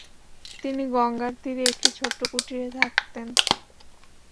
তিনি গঙ্গার তীরে একটি ছোট্ট কুঠিরে থাকতেন।